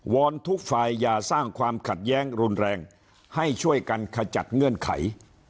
อนทุกฝ่ายอย่าสร้างความขัดแย้งรุนแรงให้ช่วยกันขจัดเงื่อนไข